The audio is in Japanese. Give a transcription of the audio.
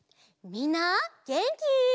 みんなげんき？